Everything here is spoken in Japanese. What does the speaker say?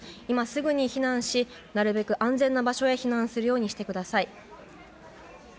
今すぐに避難しなるべく安全な場所へ避難するようにしてください。